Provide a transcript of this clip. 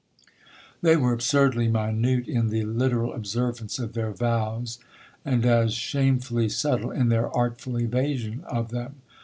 They were absurdly minute in the literal observance of their vows, and as shamefully subtile in their artful evasion of them.